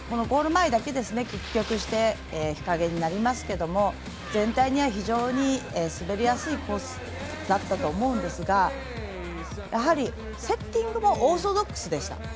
ゴール前だけ屈曲して日陰になりますが全体には、非常に滑りやすいコースだったと思うんですがやはりセッティングもオーソドックスでした。